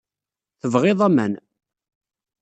Tebɣiḍ aman.